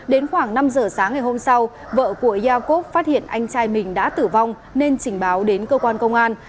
đến khoảng năm giờ sáng ngày hôm sau vợ của yakov phát hiện anh trai mình đã tử vong nên trình báo đến cơ quan công an